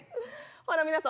ほな皆さん